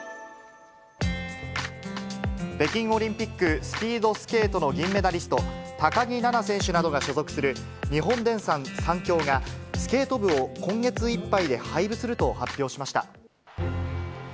北京オリンピックスピードスケートの銀メダリスト、高木菜那選手などが所属する日本電産サンキョーが、スケート部を今月いっぱいで廃部すると発表しました。